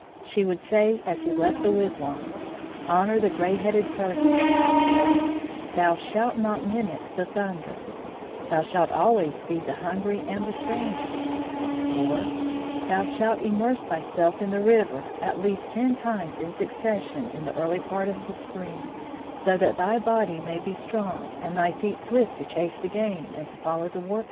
She would say as he left the wigwam: "Honor the gray headed person," or "Thou shalt not mimic the thunder;" "Thou shalt always feed the hungry and the stranger," or "Thou shalt immerse thyself in the river at least ten times in succession in the early part of the spring, so that thy body may be strong and thy feet swift to chase the game and to follow the warpath."